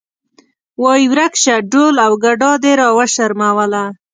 وایې ورک شه ډول او ګډا دې راوشرموله.